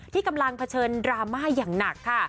ที่กำลังเผชิญดราม่าอย่างหนักค่ะ